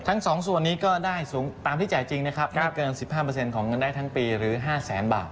๒ส่วนนี้ก็ได้สูงตามที่จ่ายจริงนะครับไม่เกิน๑๕ของเงินได้ทั้งปีหรือ๕แสนบาท